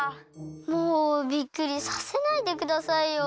もうびっくりさせないでくださいよ。